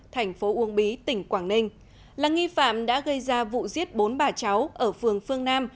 thành phố uông bí tỉnh quảng ninh là nghi phạm đã gây ra vụ giết bốn bà cháu ở phường phương nam